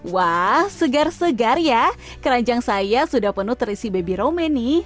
wah segar segar ya keranjang saya sudah penuh terisi baby rome nih